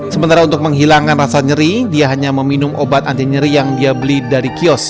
sementara untuk menghilangkan rasa nyeri dia hanya meminum obat anti nyeri yang dia beli dari kios